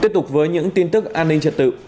tiếp tục với những tin tức an ninh trật tự